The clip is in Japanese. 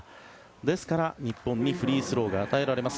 ですから、日本にフリースローが与えられます。